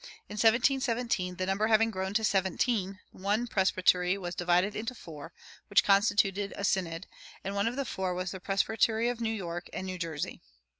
In 1717, the number having grown to seventeen, the one presbytery was divided into four, which constituted a synod; and one of the four was the presbytery of New York and New Jersey.